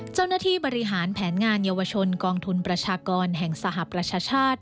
เจ้าหน้าที่บริหารแผนงานเยาวชนกองทุนประชากรแห่งสหประชาชาติ